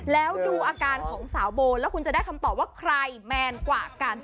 แล้วดูอาการของสาวโบแล้วคุณจะได้คำตอบว่าใครแมนกว่ากัน